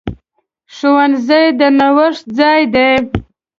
ښوونځی د نوښت ځای دی.